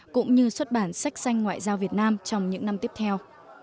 cũng như xuất bản sách xanh ngoại giao việt nam trong những năm tiếp theo